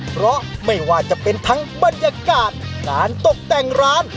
เพราะไม่ว่าจะเป็นทั้งบรรยากาศการตกแต่งร้าน